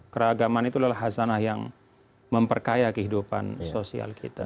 keragaman itu adalah hazanah yang memperkaya kehidupan sosial kita